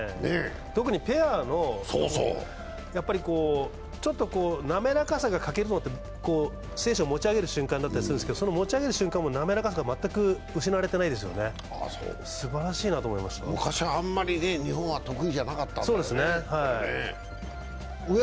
特にペアの、滑らかさが欠けるのは選手を持ち上げる瞬間だったりするんですけどその選手を持ち上げる瞬間も滑らかさが全く失われていないですよね、すばらしいなと思いました昔はあんまり日本は得意じゃなかったんだよね。